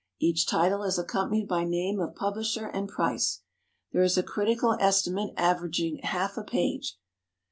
Each title is accompanied by name of publisher and price. There is a critical estimate averaging half a page.